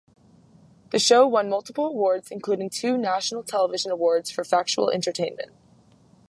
The show won multiple awards including two National Television Awards for 'Factual Entertainment'.